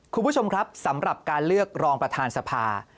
คุณผู้ชมครับสำหรับการเลือกรองประธานสภา